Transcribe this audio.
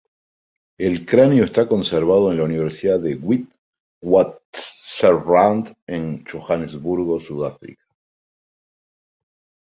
El cráneo está conservado en la Universidad de Witwatersrand en Johannesburgo, Sudáfrica.